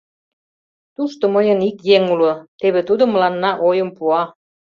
Тушто мыйын ик еҥ уло, теве тудо мыланна ойым пуа.